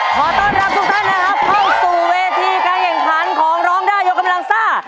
ขอต้อนรับทุกท่านนะครับเข้าสู่เวทีการแข่งขันของร้องได้ยกกำลังซ่า